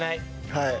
はい